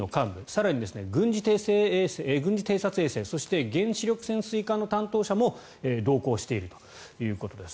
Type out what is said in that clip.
更に、軍事偵察衛星そして原子力潜水艦の担当者も同行しているということです。